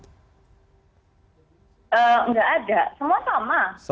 tidak ada semua sama